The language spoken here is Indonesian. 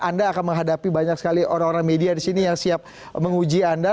anda akan menghadapi banyak sekali orang orang media di sini yang siap menguji anda